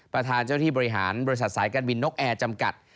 เจ้าที่บริหารบริษัทสายการบินนกแอร์จำกัด